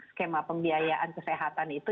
skema pembiayaan kesehatan itu